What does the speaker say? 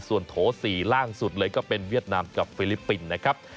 ส่วนโถ๔ล่างสุดเลยก็เป็นเวียดนามกับฟิลิปปินส์นะครับ